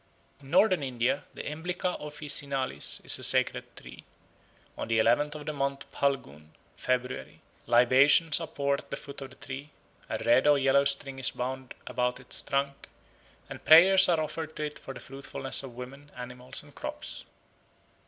In Northern India the Emblica officinalis is a sacred tree. On the eleventh of the month Phalgun (February) libations are poured at the foot of the tree, a red or yellow string is bound about the trunk, and prayers are offered to it for the fruitfulness of women, animals, and crops.